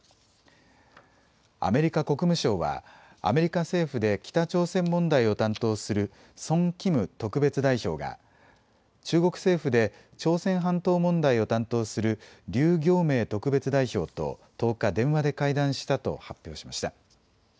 アメリカ国務省はアメリカ政府で北朝鮮問題を担当するソン・キム特別代表が中国政府で朝鮮半島問題を担当する劉暁明特別代表と１０日、電話で会談したと発表しました。